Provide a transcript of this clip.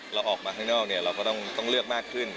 เราออกมาข้างนอกเราก็ต้องเลือกมากขึ้น